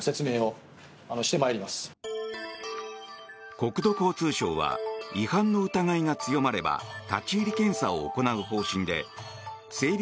国土交通省は違反の疑いが強まれば立ち入り検査を行う方針で整備